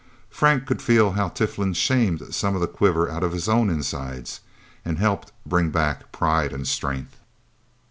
Frank could feel how Tiflin shamed some of the quiver out of his own insides, and helped bring back pride and strength.